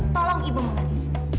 tolong ibu mengerti